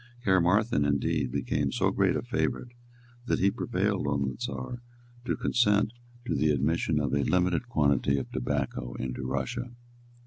Caermarthen, indeed, became so great a favourite that he prevailed on the Czar to consent to the admission of a limited quantity of tobacco into Russia.